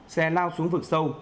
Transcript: xe lao xuống vực sâu